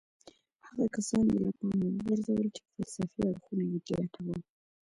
هغه کسان يې له پامه وغورځول چې فلسفي اړخونه يې لټول.